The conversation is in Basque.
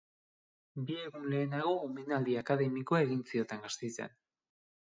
Bi egun lehenago omenaldi akademikoa egin zioten Gasteizen.